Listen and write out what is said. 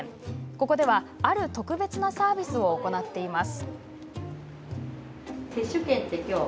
ここでは、ある特別なサービスを行っています。